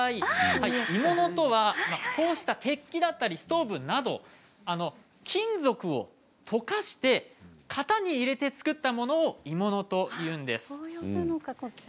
鋳物とはこうした鉄器だったりストーブだったり金属を溶かして型に入れて作ったものを鋳物というんです。